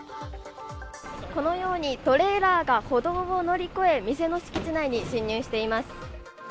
このようにトレーラーが歩道を乗り越え店の敷地内に進入しています